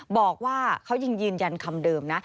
บอกว่าเขายังยืนยันคำเดิมนะ